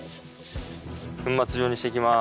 粉末状にして行きます。